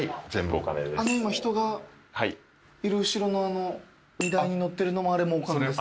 あの今人がいる後ろの荷台に載ってるのもあれもお金ですか？